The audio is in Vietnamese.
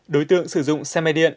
đối tượng sử dụng xe máy điện